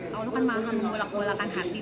ya allah kan maha membolak bolakan hati